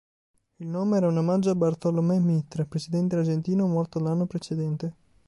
Il nome era un omaggio a Bartolomé Mitre, presidente argentino morto l'anno precedente.